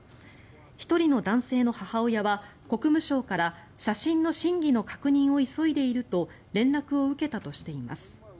１人の男性の母親は、国務省から写真の真偽の確認を急いでいると連絡を受けたとしています。